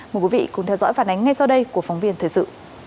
mời quý vị cùng theo dõi phản ánh ngay sau đây của phóng viên thời sự